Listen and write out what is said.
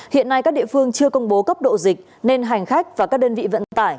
hiện nay các địa phương chưa công bố cấp độ dịch nên hành khách và các đơn vị vận tải